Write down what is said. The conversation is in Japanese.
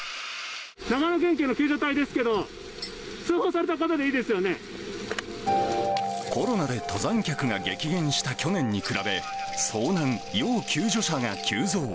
長野県警の救助隊ですけど、コロナで登山客が激減した去年に比べ、遭難・要救助者が急増。